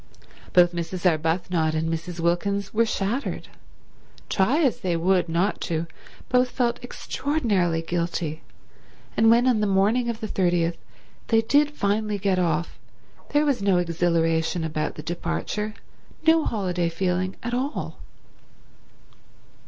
Both Mrs. Arbuthnot and Mrs. Wilkins were shattered; try as they would not to, both felt extraordinarily guilty; and when on the morning of the 30th they did finally get off there was no exhilaration about the departure, no holiday feeling at all.